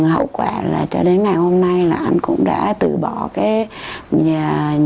hậu quả là cho đến ngày hôm nay là anh cũng đã từ bỏ cái tình yêu của mình